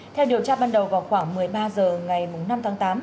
theo điều tra ban đầu vào khoảng một mươi ba h ngày năm tháng tám